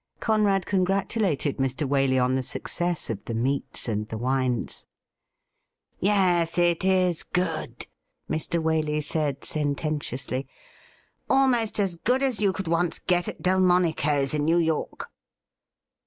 Conrad congratulated Mr. Waley on the success of the meats and the wines. ' Yes, it's good,' Mr. Waley said sententiously ;' almost as good as you could once get at Delmonico's in New York.'